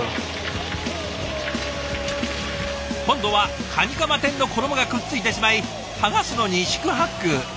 今度はカニカマ天の衣がくっついてしまい剥がすのに四苦八苦。